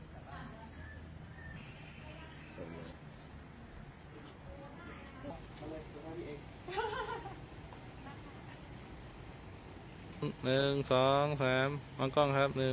สวัสดีครับ